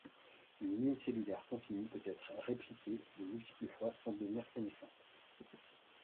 Une lignée cellulaire continue peut être répliquée de multiples fois sans devenir sénescente.